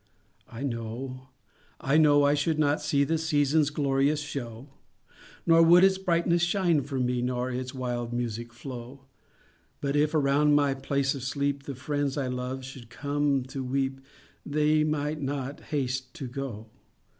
I know, I know I should not see The season's glorious show, Nor would its brightness shine for me; Nor its wild music flow; But if, around my place of sleep, The friends I love should come to weep, They might not haste to go.